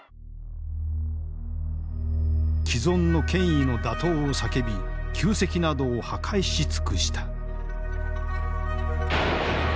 既存の権威の打倒を叫び旧跡などを破壊し尽くした。